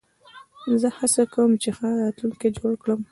زه هڅه کوم، چي ښه راتلونکی جوړ کړم.